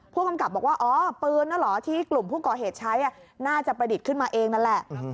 ผู้กำกับบอกว่าอ๋อปืนนั่นเหรอที่กลุ่มผู้ก่อเหตุใช้น่าจะประดิษฐ์ขึ้นมาเองนั่นแหละ